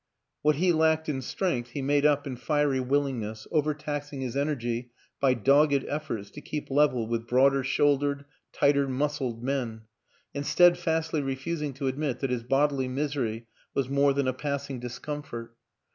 W'hat he lacked in strength he made up in fiery willingness, overtax ing his energy by dogged efforts to keep level with broader shouldered, tighter muscled men, and steadfastly refusing to admit that his bodily misery was more than a passing discomfort.